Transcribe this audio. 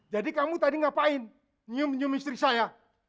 jadi kamu tadi ngapain nyium nyium istri saya